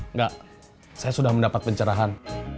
enggak saya sudah mendapat pencerahan